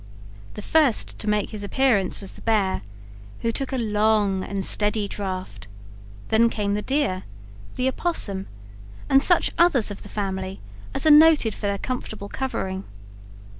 The first to make his appearance was the bear, who took a long and steady draft; then came the deer, the opossum, and such others of the family as are noted for their comfortable covering.